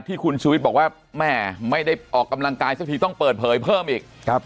ที่คุณชูวิทย์บอกว่าแม่ไม่ได้ออกกำลังกายสักทีต้องเปิดเผยเพิ่มอีก